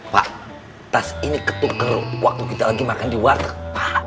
pak tas ini ketuker waktu kita lagi makan di water pak